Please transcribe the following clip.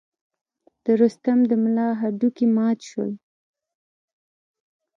د رستم د ملا هډوکي مات شول.